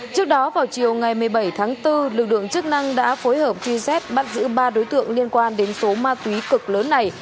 trước đó vào chiều ngày một mươi bảy tháng bốn lực lượng chức năng đã phối hợp truy xét bắt giữ ba đối tượng liên quan đến số ma túy cực lớn này